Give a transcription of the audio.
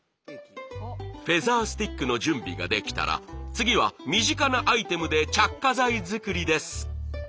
フェザースティックの準備ができたら次は身近なアイテムで着火剤作りです。